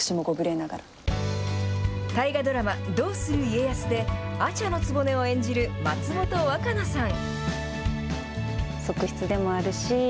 大河ドラマ、どうする家康で、阿茶局を演じる松本若菜さん。